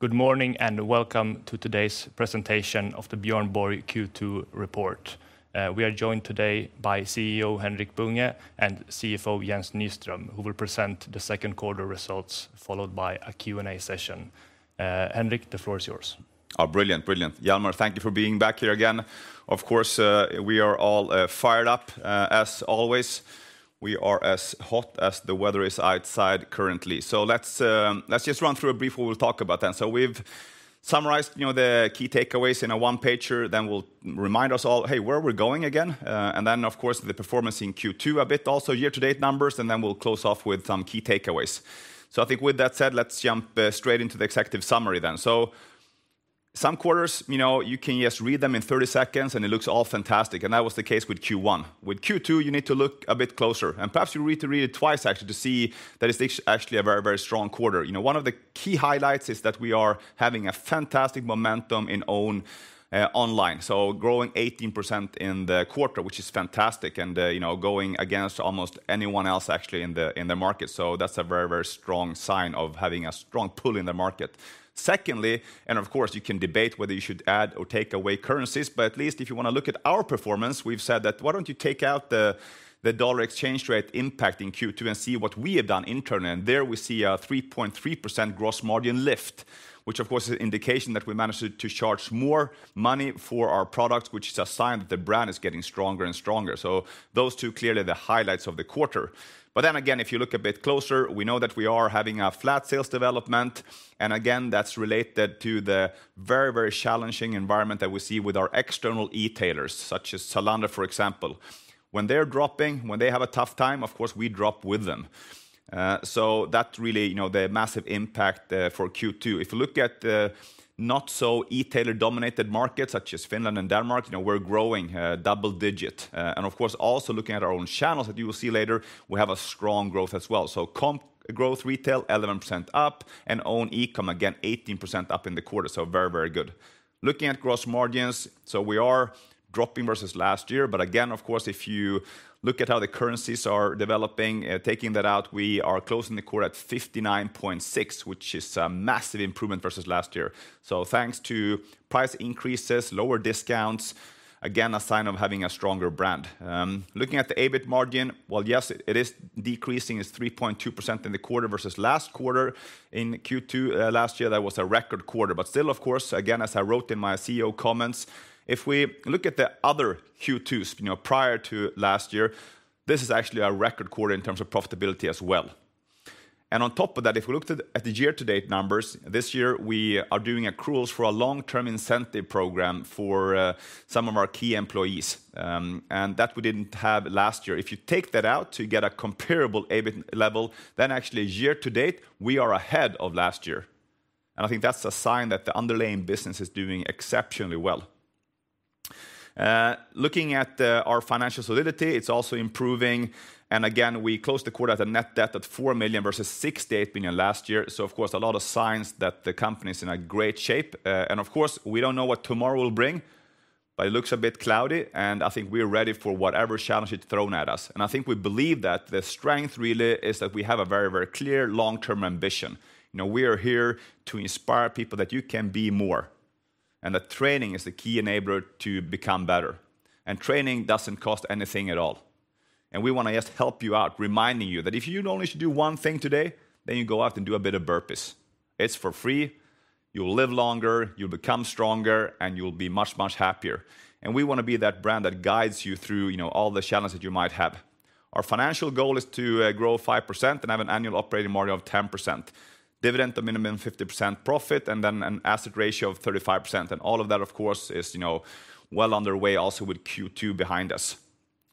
Good morning and welcome to today's presentation of the Björn Borg Q2 report. We are joined today by CEO Henrik Bunge and CFO Jens Nyström, who will present the second quarter results, followed by a Q&A session. Henrik, the floor is yours. Brilliant, brilliant. Hjalmar, thank you for being back here again. Of course, we are all fired up as always. We are as hot as the weather is outside currently. So let's just run through a brief. We'll talk about then. So we've summarized the key takeaways in a one-pager. Then we'll remind us all, hey, where are we going again? And then, of course, the performance in Q2 a bit also, year-to-date numbers, and then we'll close off with some key takeaways. So I think with that said, let's jump straight into the executive summary then. So some quarters, you can just read them in 30 seconds and it looks all fantastic, and that was the case with Q1. With Q2, you need to look a bit closer. And perhaps you need to read it twice, actually, to see that it's actually a very, very strong quarter. One of the key highlights is that we are having a fantastic momentum in own online. So growing 18% in the quarter, which is fantastic, and going against almost anyone else actually in the market. So that's a very, very strong sign of having a strong pull in the market. Secondly, and of course, you can debate whether you should add or take away currencies, but at least if you want to look at our performance, we've said that why don't you take out the dollar exchange rate impact in Q2 and see what we have done internally. And there we see a 3.3% gross margin lift, which of course is an indication that we managed to charge more money for our products, which is a sign that the brand is getting stronger and stronger. So those two clearly are the highlights of the quarter. But then again, if you look a bit closer, we know that we are having a flat sales development. And again, that's related to the very, very challenging environment that we see with our external e-tailers, such as Zalando, for example. When they're dropping, when they have a tough time, of course we drop with them. So that's really the massive impact for Q2. If you look at the not-so-e-tailer-dominated markets, such as Finland and Denmark, we're growing double digit. And of course, also looking at our own channels that you will see later, we have a strong growth as well. So comp growth retail, 11% up, and own e-comm again, 18% up in the quarter. So very, very good. Looking at gross margins, so we are dropping versus last year. But again, of course, if you look at how the currencies are developing, taking that out, we are closing the quarter at 59.6%, which is a massive improvement versus last year. So thanks to price increases, lower discounts, again, a sign of having a stronger brand. Looking at the EBIT margin, well, yes, it is decreasing, is 3.2% in the quarter versus last quarter. In Q2 last year, that was a record quarter. But still, of course, again, as I wrote in my CEO comments, if we look at the other Q2s prior to last year, this is actually a record quarter in terms of profitability as well. And on top of that, if we looked at the year-to-date numbers, this year we are doing accruals for a long-term incentive program for some of our key employees. And that we didn't have last year. If you take that out to get a comparable EBIT level, then actually year-to-date, we are ahead of last year. And I think that's a sign that the underlying business is doing exceptionally well. Looking at our financial solidity, it's also improving. And again, we closed the quarter at a net debt at four million versus 68 million last year. So of course, a lot of signs that the company is in great shape. And of course, we don't know what tomorrow will bring, but it looks a bit cloudy. And I think we're ready for whatever challenge it's thrown at us. And I think we believe that the strength really is that we have a very, very clear long-term ambition. We are here to inspire people that you can be more. And that training is the key enabler to become better. And training doesn't cost anything at all. And we want to just help you out, reminding you that if you only should do one thing today, then you go out and do a bit of burpees. It's for free. You'll live longer, you'll become stronger, and you'll be much, much happier. And we want to be that brand that guides you through all the challenges that you might have. Our financial goal is to grow 5% and have an annual operating margin of 10%. Dividend to minimum 50% profit and then an asset ratio of 35%. And all of that, of course, is well underway also with Q2 behind us.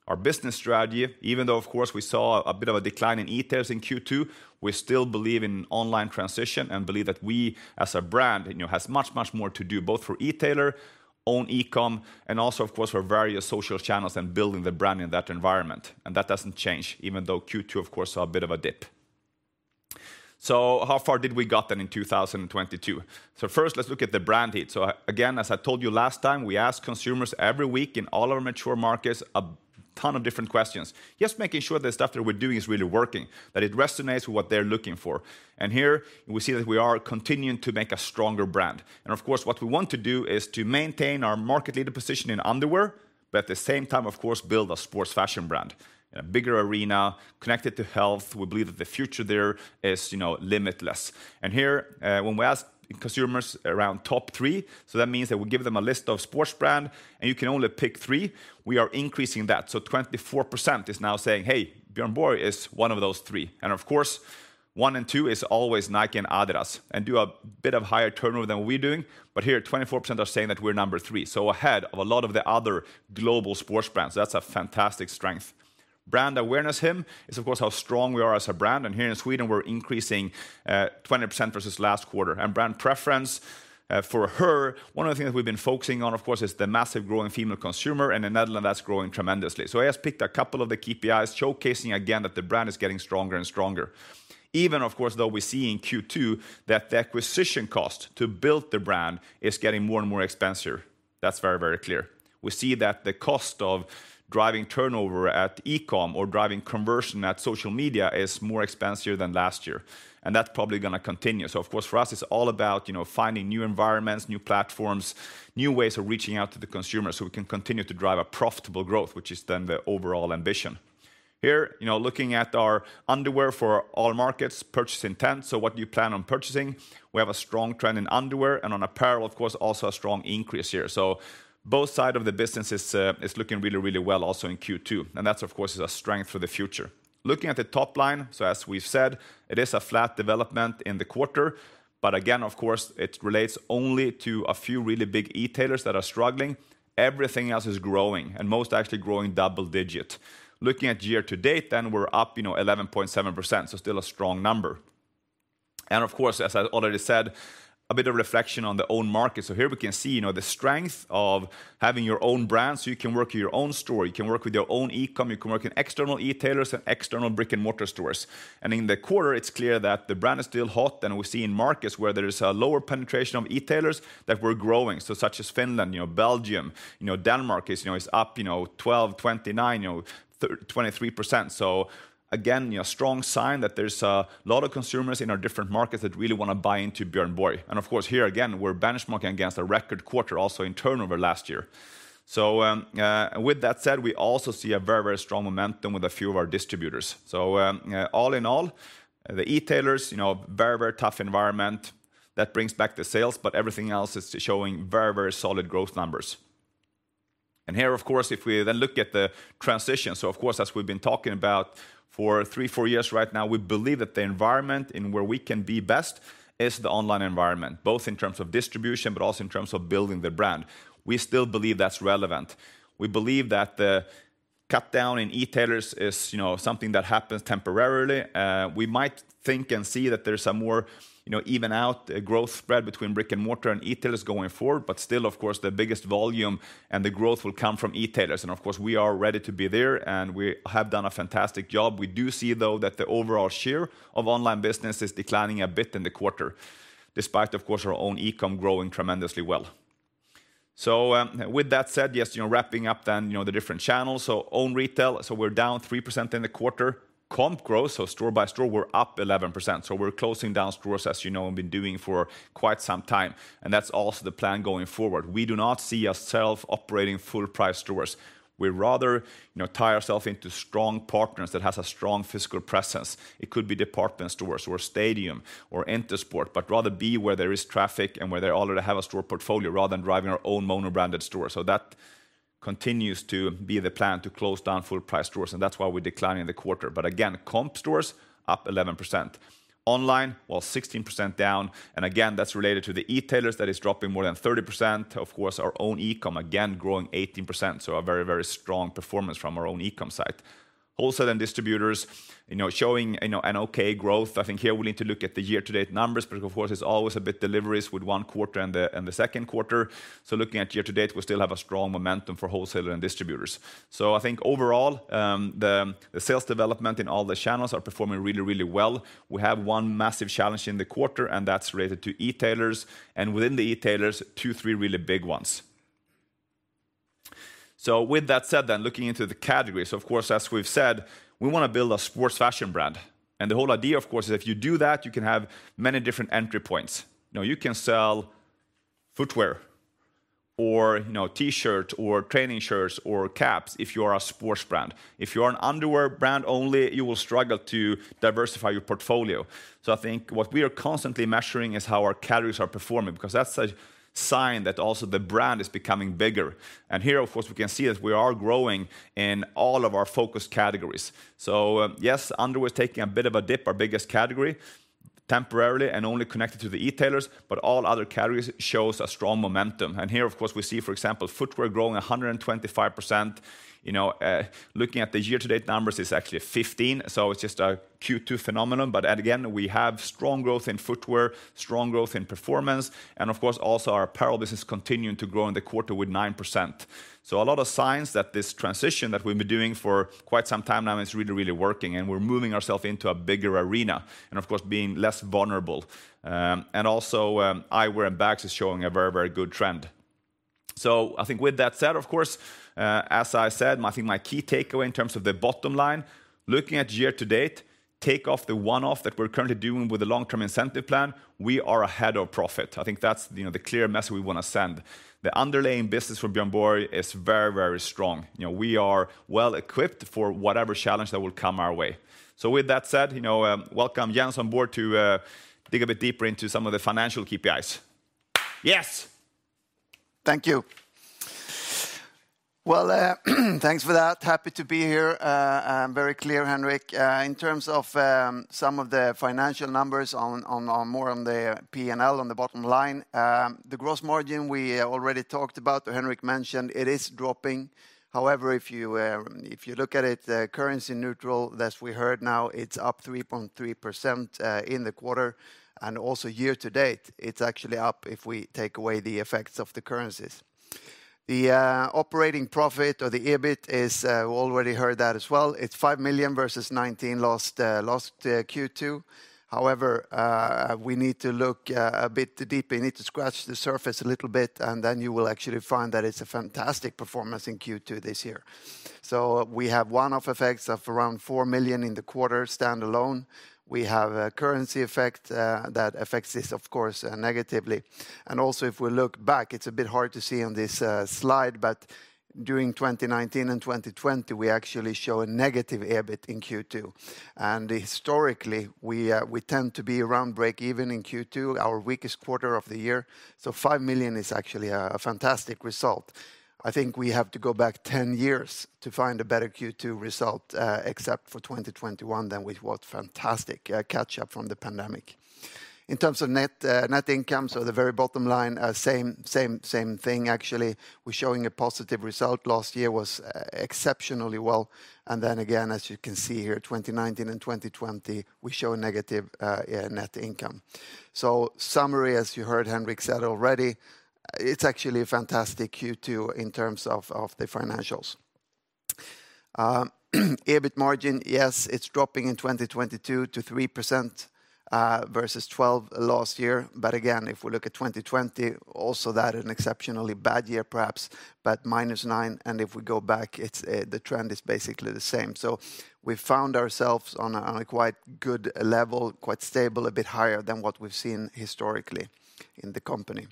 Our business strategy, even though of course we saw a bit of a decline in e-tailers in Q2, we still believe in online transition and believe that we as a brand have much, much more to do both for e-tailer, own e-comm, and also, of course, for various social channels and building the brand in that environment, and that doesn't change even though Q2, of course, saw a bit of a dip, so how far did we get then in 2022, so first, let's look at the brand health, so again, as I told you last time, we ask consumers every week in all our mature markets a ton of different questions, yes, making sure that the stuff that we're doing is really working, that it resonates with what they're looking for, and here we see that we are continuing to make a stronger brand. Of course, what we want to do is to maintain our market leader position in underwear, but at the same time, of course, build a sports fashion brand in a bigger arena connected to health. We believe that the future there is limitless. Here, when we ask consumers around top three, so that means that we give them a list of sports brands and you can only pick three, we are increasing that. 24% is now saying, hey, Björn Borg is one of those three. Of course, one and two is always Nike and Adidas and do a bit of higher turnover than we're doing. Here, 24% are saying that we're number three. Ahead of a lot of the other global sports brands. That's a fantastic strength. Brand awareness, which is of course how strong we are as a brand. Here in Sweden, we're increasing 20% versus last quarter. Brand preference for her, one of the things that we've been focusing on, of course, is the massive growing female consumer. In Netherlands, that's growing tremendously. I just picked a couple of the KPIs showcasing again that the brand is getting stronger and stronger. Even, of course, though we see in Q2 that the acquisition cost to build the brand is getting more and more expensive. That's very, very clear. We see that the cost of driving turnover at e-comm or driving conversion at social media is more expensive than last year. That's probably going to continue. Of course, for us, it's all about finding new environments, new platforms, new ways of reaching out to the consumer so we can continue to drive a profitable growth, which is then the overall ambition. Here, looking at our underwear for all markets, purchase intent, so what do you plan on purchasing? We have a strong trend in underwear and on apparel, of course, also a strong increase here, so both sides of the business is looking really, really well also in Q2, and that's, of course, a strength for the future. Looking at the top line, so as we've said, it is a flat development in the quarter, but again, of course, it relates only to a few really big e-tailers that are struggling. Everything else is growing and most actually growing double digit. Looking at year-to-date, then we're up 11.7%, so still a strong number, and of course, as I already said, a bit of reflection on the own market, so here we can see the strength of having your own brand, so you can work your own store. You can work with your own e-comm. You can work in external e-tailers and external brick-and-mortar stores, and in the quarter, it's clear that the brand is still hot, and we see in markets where there is a lower penetration of e-tailers that we're growing, so such as Finland, Belgium, Denmark is up 12%, 29%, 23%, so again a strong sign that there's a lot of consumers in our different markets that really want to buy into Björn Borg, and of course here again we're benchmarking against a record quarter also in turnover last year, so with that said we also see a very, very strong momentum with a few of our distributors, so all in all the e-tailers very, very tough environment that brings back the sales, but everything else is showing very, very solid growth numbers. And here, of course, if we then look at the transition, so of course, as we've been talking about for three, four years right now, we believe that the environment in where we can be best is the online environment, both in terms of distribution, but also in terms of building the brand. We still believe that's relevant. We believe that the cut down in e-tailers is something that happens temporarily. We might think and see that there's a more even out growth spread between brick-and-mortar and e-tailers going forward, but still, of course, the biggest volume and the growth will come from e-tailers. And of course, we are ready to be there and we have done a fantastic job. We do see though that the overall share of online business is declining a bit in the quarter, despite, of course, our own e-comm growing tremendously well. So with that said, yes, wrapping up then the different channels. Own retail, so we're down 3% in the quarter. Comp growth, so store by store, we're up 11%. So we're closing down stores as you know we've been doing for quite some time. And that's also the plan going forward. We do not see ourselves operating full-price stores. We rather tie ourselves into strong partners that have a strong physical presence. It could be department stores or Stadium or Intersport, but rather be where there is traffic and where they already have a store portfolio rather than driving our own monobranded stores. So that continues to be the plan to close down full-price stores. And that's why we're declining in the quarter. But again, comp stores up 11%. Online, well, 16% down. And again, that's related to the e-tailers that is dropping more than 30%. Of course, our own e-comm again growing 18%. So a very, very strong performance from our own e-comm side. Wholesale and distributors showing an okay growth. I think here we need to look at the year-to-date numbers, but of course, it's always a bit early with one quarter and the second quarter. So looking at year-to-date, we still have a strong momentum for wholesalers and distributors. So I think overall, the sales development in all the channels are performing really, really well. We have one massive challenge in the quarter, and that's related to e-tailers. And within the e-tailers, two, three really big ones. So with that said, then looking into the categories. So of course, as we've said, we want to build a sports fashion brand. And the whole idea, of course, is if you do that, you can have many different entry points. You can sell footwear or T-shirts or training shirts or caps if you are a sports brand. If you are an underwear brand only, you will struggle to diversify your portfolio. So I think what we are constantly measuring is how our categories are performing because that's a sign that also the brand is becoming bigger. And here, of course, we can see that we are growing in all of our focus categories. So yes, underwear is taking a bit of a dip, our biggest category, temporarily and only connected to the e-tailers, but all other categories show a strong momentum. And here, of course, we see, for example, footwear growing 125%. Looking at the year-to-date numbers, it's actually 15%. So it's just a Q2 phenomenon. But again, we have strong growth in footwear, strong growth in performance. And of course, also our apparel business continuing to grow in the quarter with 9%. So a lot of signs that this transition that we've been doing for quite some time now is really, really working. And we're moving ourselves into a bigger arena and, of course, being less vulnerable. And also, eyewear and bags is showing a very, very good trend. So I think with that said, of course, as I said, I think my key takeaway in terms of the bottom line, looking at year-to-date, take off the one-off that we're currently doing with the long-term incentive plan, we are ahead of profit. I think that's the clear message we want to send. The underlying business for Björn Borg is very, very strong. We are well equipped for whatever challenge that will come our way. So with that said, welcome Jens on board to dig a bit deeper into some of the financial KPIs. Yes. Thank you. Well, thanks for that. Happy to be here. Very clear, Henrik. In terms of some of the financial numbers more on the P&L, on the bottom line, the gross margin we already talked about, Henrik mentioned, it is dropping. However, if you look at it, currency neutral, as we heard now, it's up 3.3% in the quarter. And also year-to-date, it's actually up if we take away the effects of the currencies. The operating profit or the EBIT, we already heard that as well. It's 5 million versus a loss of 19 million in Q2. However, we need to look a bit deeper. You need to scratch the surface a little bit, and then you will actually find that it's a fantastic performance in Q2 this year. We have one-off effects of around 4 million in the quarter standalone. We have a currency effect that affects this, of course, negatively. And also, if we look back, it's a bit hard to see on this slide, but during 2019 and 2020, we actually show a negative EBIT in Q2. And historically, we tend to be around break-even in Q2, our weakest quarter of the year. So 5 million is actually a fantastic result. I think we have to go back 10 years to find a better Q2 result, except for 2021, then we've got fantastic catch-up from the pandemic. In terms of net income, so the very bottom line, same thing actually. We're showing a positive result. Last year was exceptionally well. And then again, as you can see here, 2019 and 2020, we show a negative net income. Summary, as you heard Henrik said already, it's actually a fantastic Q2 in terms of the financials. EBIT margin, yes, it's dropping in 2022 to 3% versus 12% last year. Again, if we look at 2020, also that is an exceptionally bad year perhaps, but -9%. If we go back, the trend is basically the same. We found ourselves on a quite good level, quite stable, a bit higher than what we've seen historically in the company.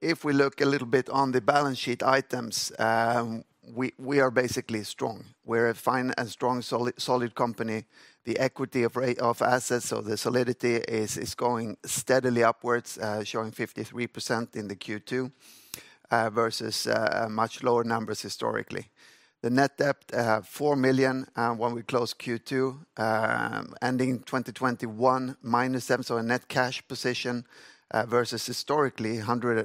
If we look a little bit on the balance sheet items, we are basically strong. We're a strong, solid company. The equity of assets, so the solidity is going steadily upwards, showing 53% in the Q2 versus much lower numbers historically. The net debt, 4 million when we closed Q2, ending 2021 minus ten. So a net cash position versus historically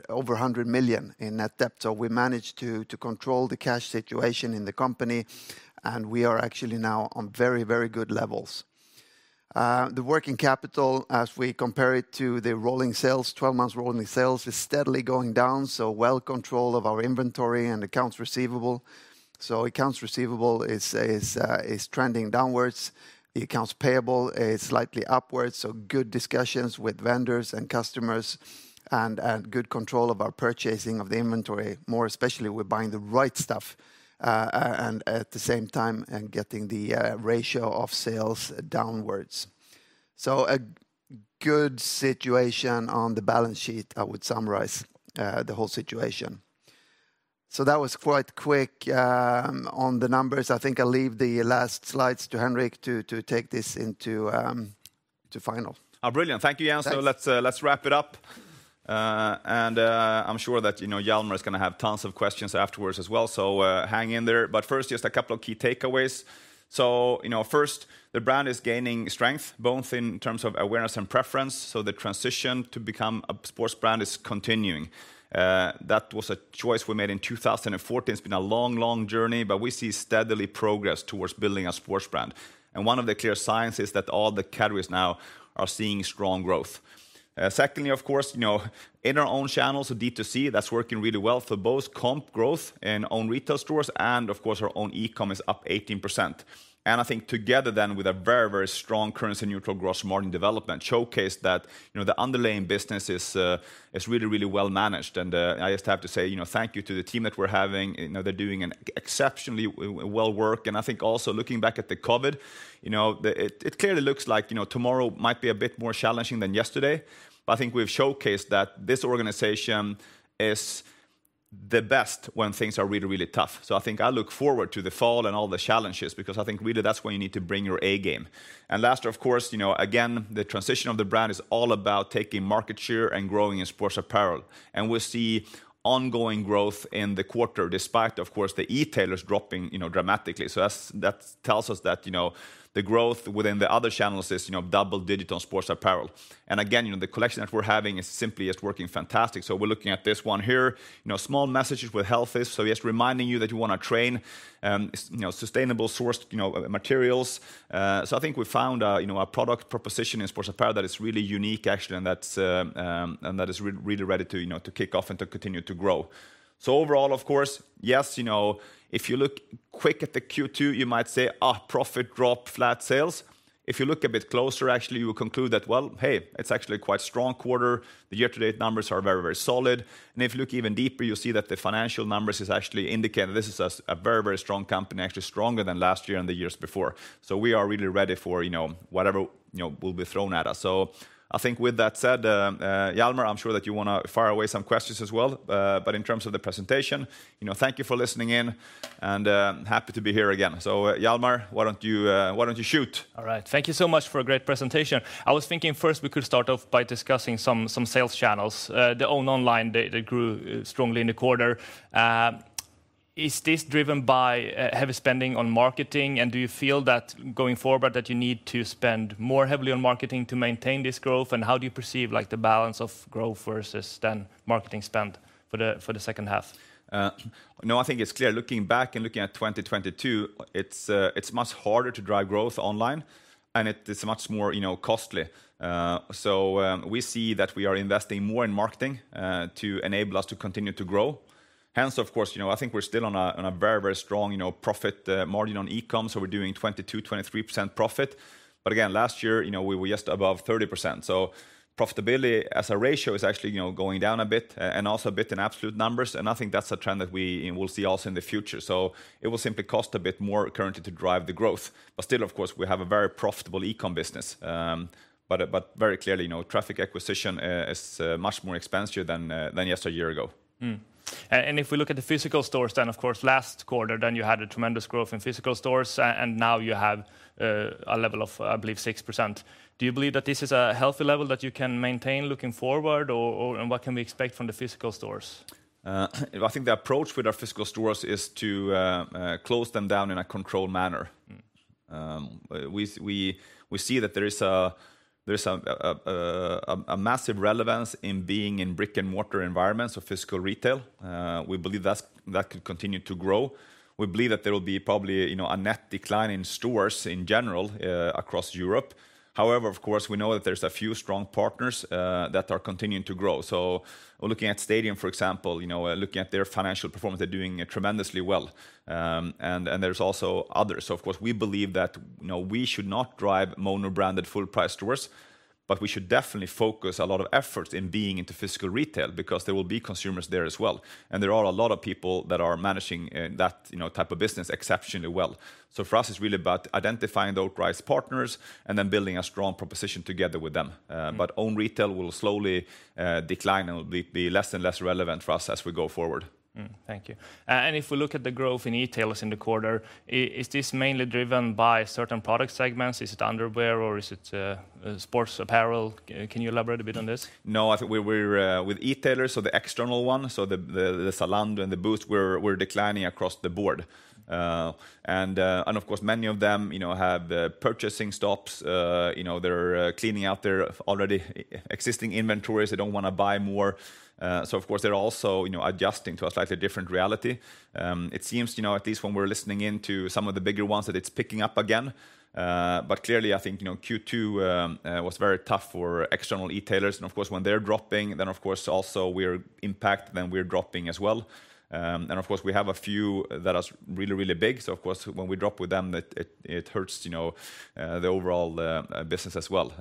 over 100 million in net debt. So we managed to control the cash situation in the company. And we are actually now on very, very good levels. The working capital, as we compare it to the rolling sales, 12-month rolling sales, is steadily going down. So well control of our inventory and accounts receivable. So accounts receivable is trending downwards. The accounts payable is slightly upwards. So good discussions with vendors and customers and good control of our purchasing of the inventory, more especially we're buying the right stuff and at the same time getting the ratio of sales downwards. So a good situation on the balance sheet, I would summarize the whole situation. So that was quite quick on the numbers. I think I'll leave the last slides to Henrik to take this into final. Brilliant. Thank you, Jens. So let's wrap it up. I'm sure that Hjalmar is going to have tons of questions afterwards as well. So hang in there. But first, just a couple of key takeaways. First, the brand is gaining strength, both in terms of awareness and preference. The transition to become a sports brand is continuing. That was a choice we made in 2014. It's been a long, long journey, but we see steady progress towards building a sports brand. One of the clear signs is that all the categories now are seeing strong growth. Secondly, of course, in our own channels, D2C, that's working really well for both comp growth and own retail stores. And of course, our own e-comm is up 18%. I think together then with a very, very strong currency neutral gross margin development showcased that the underlying business is really, really well managed. And I just have to say thank you to the team that we're having. They're doing exceptionally good work. And I think also looking back at the COVID, it clearly looks like tomorrow might be a bit more challenging than yesterday. But I think we've showcased that this organization is the best when things are really, really tough. So I think I look forward to the fall and all the challenges because I think really that's when you need to bring your A game. And last, of course, again, the transition of the brand is all about taking market share and growing in sports apparel. And we see ongoing growth in the quarter despite, of course, the e-tailers dropping dramatically. So that tells us that the growth within the other channels is double-digit on sports apparel. And again, the collection that we're having is simply just working fantastic. So we're looking at this one here. Sustainability message with health is. So yes, reminding you that you want to train sustainable sourced materials. So I think we found a product proposition in sports apparel that is really unique actually and that is really ready to kick off and to continue to grow. So overall, of course, yes, if you look quick at the Q2, you might say, profit drop, flat sales. If you look a bit closer, actually, you will conclude that, well, hey, it's actually a quite strong quarter. The year-to-date numbers are very, very solid. And if you look even deeper, you'll see that the financial numbers is actually indicating this is a very, very strong company, actually stronger than last year and the years before. So we are really ready for whatever will be thrown at us. So I think with that said, Hjalmar, I'm sure that you want to fire away some questions as well. But in terms of the presentation, thank you for listening in and happy to be here again. So Hjalmar, why don't you shoot? All right. Thank you so much for a great presentation. I was thinking first we could start off by discussing some sales channels, the own online that grew strongly in the quarter. Is this driven by heavy spending on marketing? And do you feel that going forward that you need to spend more heavily on marketing to maintain this growth? And how do you perceive the balance of growth versus then marketing spend for the second half? No, I think it's clear. Looking back and looking at 2022, it's much harder to drive growth online. And it is much more costly. So we see that we are investing more in marketing to enable us to continue to grow. Hence, of course, I think we're still on a very, very strong profit margin on e-comm. So we're doing 22%, 23% profit. But again, last year, we were just above 30%. So profitability as a ratio is actually going down a bit and also a bit in absolute numbers. And I think that's a trend that we will see also in the future. So it will simply cost a bit more currently to drive the growth. But still, of course, we have a very profitable e-comm business. But very clearly, traffic acquisition is much more expensive than just a year ago. And if we look at the physical stores then, of course, last quarter, then you had a tremendous growth in physical stores. And now you have a level of, I believe, 6%. Do you believe that this is a healthy level that you can maintain looking forward, and what can we expect from the physical stores? I think the approach with our physical stores is to close them down in a controlled manner. We see that there is a massive relevance in being in brick-and-mortar environments of physical retail. We believe that could continue to grow. We believe that there will be probably a net decline in stores in general across Europe. However, of course, we know that there's a few strong partners that are continuing to grow, so looking at Stadium, for example, looking at their financial performance, they're doing tremendously well, and there's also others, so, of course, we believe that we should not drive monobranded full-price stores, but we should definitely focus a lot of efforts in being into physical retail because there will be consumers there as well. There are a lot of people that are managing that type of business exceptionally well. So for us, it's really about identifying those right partners and then building a strong proposition together with them. But own retail will slowly decline and will be less and less relevant for us as we go forward. Thank you. And if we look at the growth in e-tailers in the quarter, is this mainly driven by certain product segments? Is it underwear or is it sports apparel? Can you elaborate a bit on this? No, I think we're with e-tailers, so the external one, so the Zalando and the Boozt, we're declining across the board. And of course, many of them have purchasing stops. They're cleaning out their already existing inventories. They don't want to buy more. So, of course, they're also adjusting to a slightly different reality. It seems, at least when we're listening into some of the bigger ones, that it's picking up again. But clearly, I think Q2 was very tough for external e-tailers. And of course, when they're dropping, then of course also we're impacted, then we're dropping as well. And of course, we have a few that are really, really big. So, of course, when we drop with them, it hurts the overall business as well.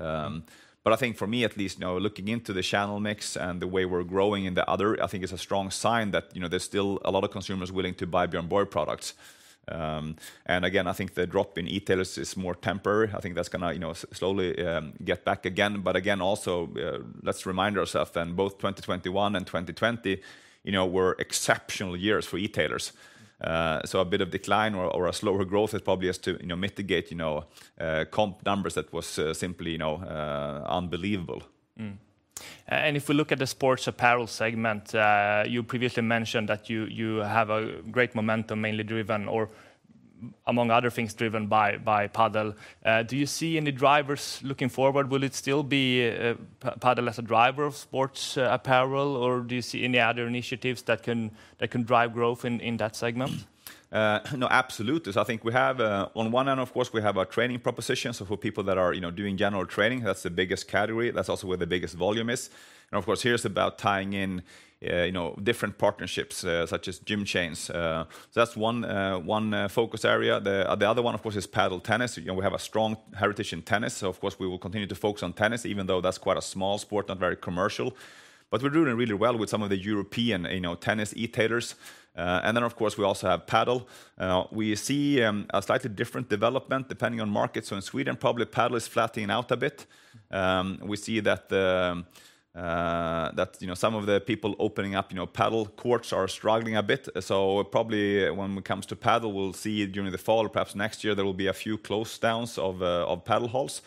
But I think for me, at least, looking into the channel mix and the way we're growing in the other, I think it's a strong sign that there's still a lot of consumers willing to buy Björn Borg products. And again, I think the drop in e-tailers is more temporary. I think that's going to slowly get back again. But again, also let's remind ourselves then both 2021 and 2020 were exceptional years for e-tailers. So, a bit of decline or a slower growth is probably as to mitigate comp numbers that was simply unbelievable. And if we look at the sports apparel segment, you previously mentioned that you have a great momentum mainly driven, or among other things, driven by Padel. Do you see any drivers looking forward? Will it still be Padel as a driver of sports apparel? Or do you see any other initiatives that can drive growth in that segment? No, absolutely. So, I think we have on one end, of course, we have our training proposition. So, for people that are doing general training, that's the biggest category. That's also where the biggest volume is. And of course, here's about tying in different partnerships such as gym chains. So, that's one focus area. The other one, of course, is Padel tennis. We have a strong heritage in tennis. Of course, we will continue to focus on tennis, even though that's quite a small sport, not very commercial. But we're doing really well with some of the European tennis e-tailers. And then, of course, we also have Padel. We see a slightly different development depending on markets. So in Sweden, probably Padel is flattening out a bit. We see that some of the people opening up Padel courts are struggling a bit. So probably when it comes to Padel, we'll see during the fall, perhaps next year, there will be a few closures of Padel halls.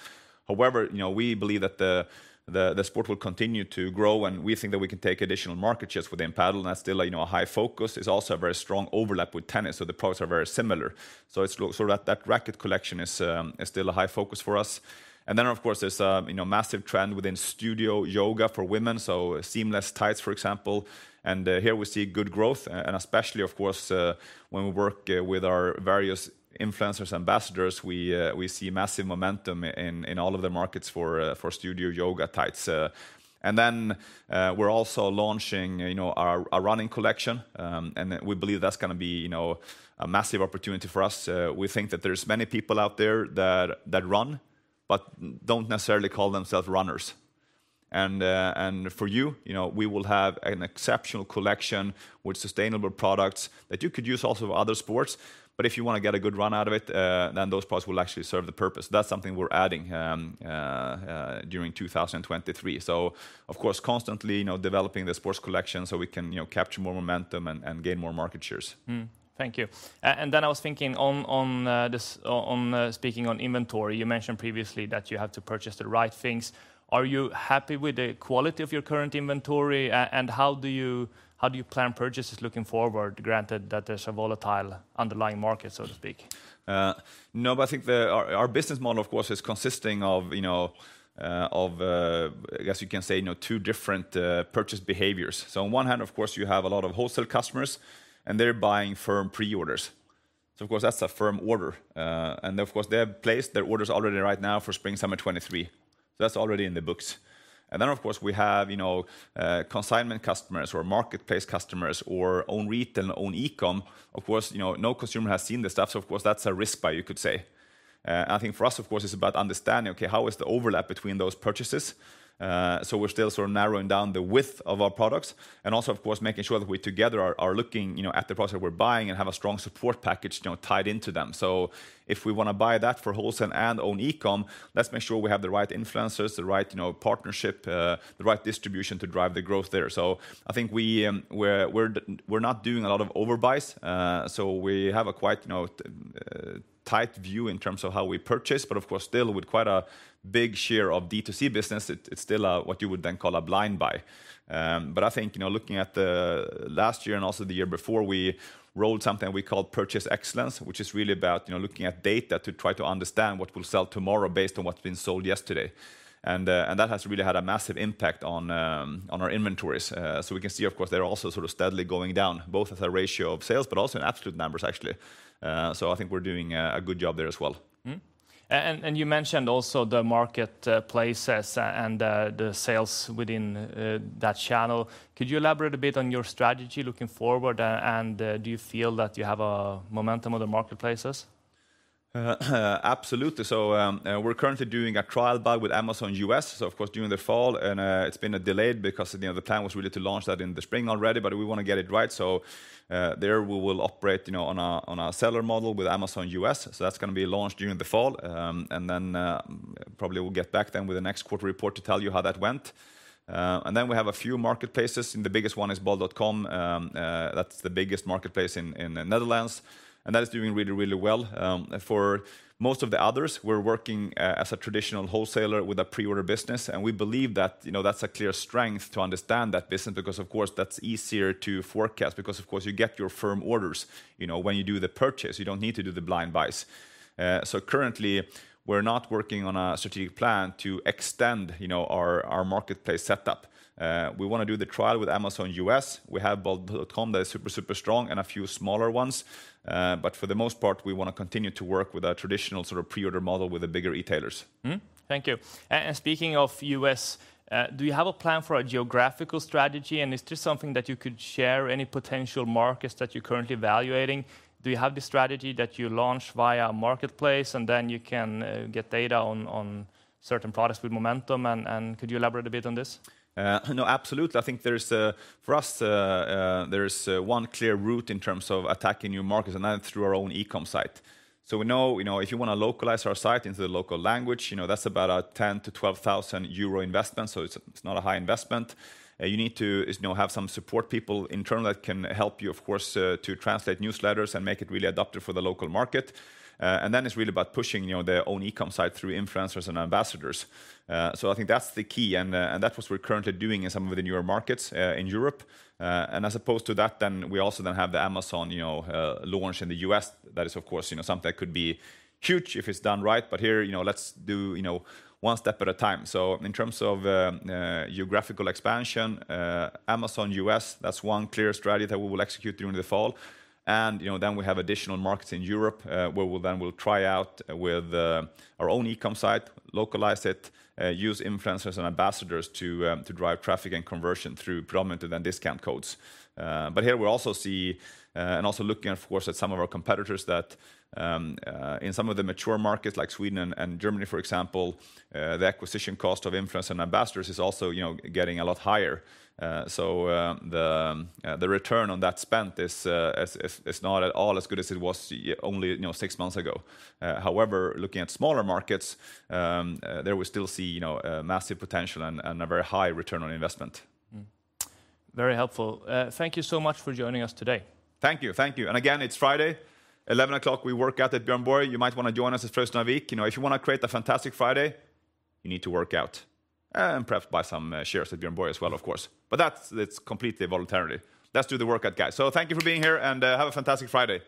However, we believe that the sport will continue to grow. And we think that we can take additional market shares within Padel. And that's still a high focus. It's also a very strong overlap with tennis. So the products are very similar. So it's sort of that racket collection is still a high focus for us. And then, of course, there's a massive trend within studio yoga for women. So seamless tights, for example. And here we see good growth. And especially, of course, when we work with our various influencers, ambassadors, we see massive momentum in all of the markets for studio yoga tights. And then we're also launching our running collection. And we believe that's going to be a massive opportunity for us. We think that there's many people out there that run, but don't necessarily call themselves runners. And for you, we will have an exceptional collection with sustainable products that you could use also for other sports. But if you want to get a good run out of it, then those products will actually serve the purpose. That's something we're adding during 2023. Of course, constantly developing the sports collection so we can capture more momentum and gain more market shares. Thank you. And then I was thinking on speaking on inventory, you mentioned previously that you have to purchase the right things. Are you happy with the quality of your current inventory? And how do you plan purchases looking forward, granted that there's a volatile underlying market, so to speak? No, but I think our business model, of course, is consisting of, I guess you can say, two different purchase behaviors. So on one hand, of course, you have a lot of wholesale customers, and they're buying firm pre-orders. So, of course, that's a firm order. And, of course, they have placed their orders already right now for Spring Summer 2023. So that's already in the books. And then, of course, we have consignment customers or marketplace customers or own retail, own e-comm. Of course, no consumer has seen this stuff. So, of course, that's a risk buy, you could say. I think for us, of course, it's about understanding, okay, how is the overlap between those purchases? So we're still sort of narrowing down the width of our products. And also, of course, making sure that we together are looking at the products that we're buying and have a strong support package tied into them. So if we want to buy that for wholesale and own e-comm, let's make sure we have the right influencers, the right partnership, the right distribution to drive the growth there. So I think we're not doing a lot of overbuys. So we have a quite tight view in terms of how we purchase. But, of course, still with quite a big share of D2C business, it's still what you would then call a blind buy. But I think looking at last year and also the year before, we rolled something we called purchase excellence, which is really about looking at data to try to understand what we'll sell tomorrow based on what's been sold yesterday. And that has really had a massive impact on our inventories. So we can see, of course, they're also sort of steadily going down, both as a ratio of sales, but also in absolute numbers, actually. So I think we're doing a good job there as well. And you mentioned also the marketplaces and the sales within that channel. Could you elaborate a bit on your strategy looking forward? And do you feel that you have a momentum on the marketplaces? Absolutely. So we're currently doing a trial buy with Amazon US. So, of course, during the fall. And it's been delayed because the plan was really to launch that in the spring already, but we want to get it right. So there we will operate on a seller model with Amazon US. So that's going to be launched during the fall. And then probably we'll get back then with the next quarter report to tell you how that went. And then we have a few marketplaces. The biggest one is bol.com. That's the biggest marketplace in the Netherlands. And that is doing really, really well. For most of the others, we're working as a traditional wholesaler with a pre-order business. We believe that that's a clear strength to understand that business because, of course, that's easier to forecast because, of course, you get your firm orders when you do the purchase. You don't need to do the blind buys. So currently, we're not working on a strategic plan to extend our marketplace setup. We want to do the trial with Amazon U.S. We have bol.com that is super, super strong and a few smaller ones. But for the most part, we want to continue to work with a traditional sort of pre-order model with the bigger retailers. Thank you. Speaking of U.S., do you have a plan for a geographical strategy? And is this something that you could share, any potential markets that you're currently evaluating? Do you have the strategy that you launch via a marketplace and then you can get data on certain products with momentum? Could you elaborate a bit on this? No, absolutely. I think for us, there's one clear route in terms of attacking new markets and that's through our own e-comm site. We know if you want to localize our site into the local language, that's about a 10,000-12,000 euro investment. It's not a high investment. You need to have some support people in turn that can help you, of course, to translate newsletters and make it really adaptive for the local market. Then it's really about pushing the own e-comm site through influencers and ambassadors. I think that's the key. That's what we're currently doing in some of the newer markets in Europe. As opposed to that, we also have the Amazon launch in the U.S. That is, of course, something that could be huge if it's done right. But here, let's do one step at a time. So in terms of geographical expansion, Amazon U.S., that's one clear strategy that we will execute during the fall. And then we have additional markets in Europe where we'll then try out with our own e-comm site, localize it, use influencers and ambassadors to drive traffic and conversion through predominantly then discount codes. But here we also see, and also looking, of course, at some of our competitors that in some of the mature markets like Sweden and Germany, for example, the acquisition cost of influencers and ambassadors is also getting a lot higher. So the return on that spent is not at all as good as it was only six months ago. However, looking at smaller markets, there we still see massive potential and a very high return on investment. Very helpful. Thank you so much for joining us today. Thank you. Thank you. Again, it's Friday, 11:00 A.M. We work out at Björn Borg. You might want to join us at First Nordic. If you want to create a fantastic Friday, you need to work out and perhaps buy some shares at Björn Borg as well, of course. But that's completely voluntary. Let's do the workout, guys. Thank you for being here and have a fantastic Friday.